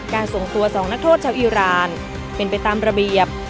ส่งตัว๒นักโทษชาวอีรานเป็นไปตามระเบียบ